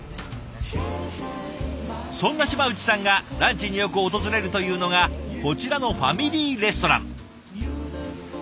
そんな嶋内さんがランチによく訪れるというのがこちらのファミリーレストラン。